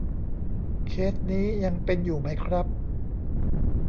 เคสนี้ยังเป็นอยู่ไหมครับ ?